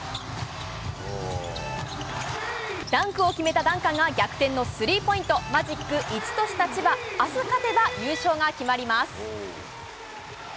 ダンクを決めたダンカンが、逆転のスリーポイント、マジック１とした千葉、あす勝てば優勝が決まります。